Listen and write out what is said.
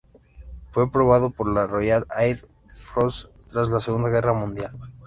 Fue probado por la Royal Air Force tras la Segunda Guerra Mundial.